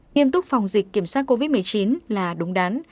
nghiêm túc phòng dịch kiểm soát covid một mươi chín là đúng đắn